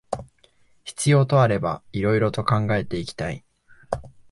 必要とあれば色々と考えていきたい